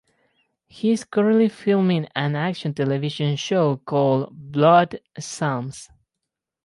He is currently filming an action television show called "Blood Psalms".